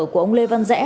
của ông lê văn rẽ